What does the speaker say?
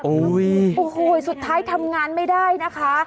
โอ้โหสุดท้ายทำงานไม่ได้นะคะ